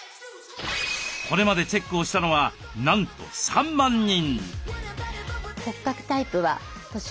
これまでチェックをしたのはなんと３万人。